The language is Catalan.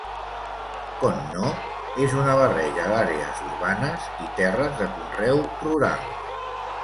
Conneaut és una barreja d'àrees urbanes i terres de conreu rurals.